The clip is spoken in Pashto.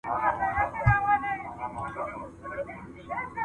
ماشوم په ډېرې خوښۍ سره بیرته کوټې ته راغی.